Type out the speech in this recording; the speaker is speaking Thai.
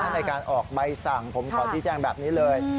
ในการออกใบสั่งผมขอที่แจ้งแบบนี้เลย